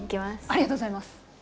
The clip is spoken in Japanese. ありがとうございます。